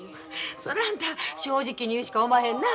そらあんた正直に言うしかおまへんな。